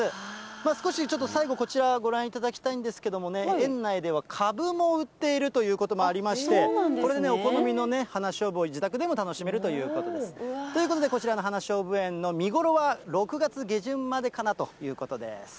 少しちょっと最後、こちらご覧いただきたいんですけどもね、園内では株も売っているということもありまして、これ、お好みの花しょうぶを自宅でも楽しめるということです。ということで、こちらの花しょうぶ園の見頃は６月下旬までかなということです。